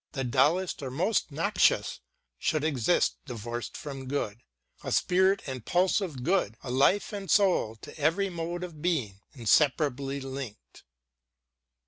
The dullest or most noxious, should exist Divorc'd from good, a spirit and pulse of good A life and soul, to every mode of being Inseparably link'd.